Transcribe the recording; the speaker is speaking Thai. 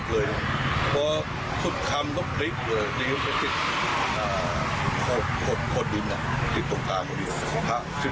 ช่วยกันยกรถข้ามมาแล้วก็ดันใส่